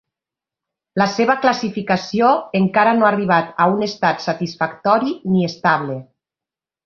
La seva classificació encara no ha arribat a un estat satisfactori ni estable.